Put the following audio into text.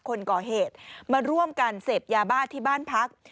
คนก่อเหตุมาร่วมกันเสพยาบ้าที่บ้านพัก